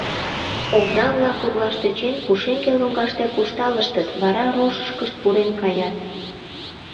Овда-влак, утлаш тӧчен, пушеҥге лоҥгаште куржталыштыт, вара рожышкышт пурен каят.